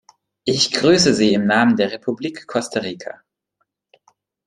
Ich grüße Sie im Namen der Republik Costa Rica.